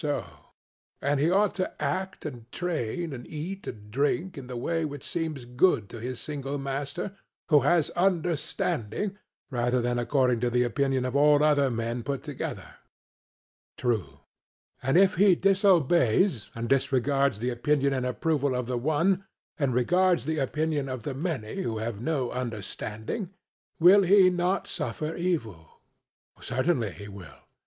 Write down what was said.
SOCRATES: And he ought to act and train, and eat and drink in the way which seems good to his single master who has understanding, rather than according to the opinion of all other men put together? CRITO: True. SOCRATES: And if he disobeys and disregards the opinion and approval of the one, and regards the opinion of the many who have no understanding, will he not suffer evil? CRITO: Certainly he will.